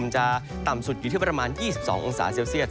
จะต่ำสุดอยู่ที่๒๒โอกาสเซลเซล